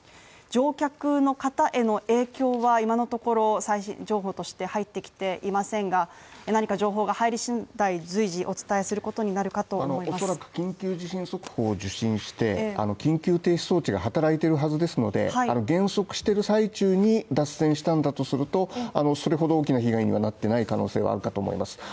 乗客の方への影響は今のところ最新情報として入ってきていませんが何か情報が入り次第、随時お伝えすることになるかと思います緊急地震速報を受信して緊急停止装置が働いてるはずですので、減速している最中に脱線したんだとするとそれほど大きな被害にはなってない可能性はあるかと思います。